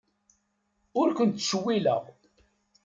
Ur kent-ttcewwileɣ.